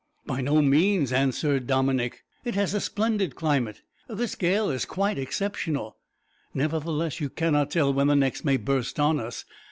"By no means," answered Dominick. "It has a splendid climate. This gale is quite exceptional. Nevertheless, we cannot tell when the next may burst on us.